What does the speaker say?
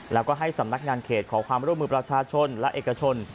แล้วก็ให้สำนักงานเขตขอความร่วมมือประชาชนและเอกชน